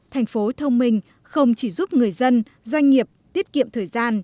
thành phố thông minh không chỉ giúp người dân doanh nghiệp tiết kiệm thời gian